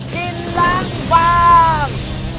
กินล้างบาง